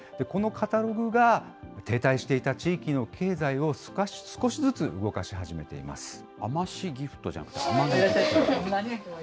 このカタログが、停滞していた地域の経済を少しずつ動かし始めています。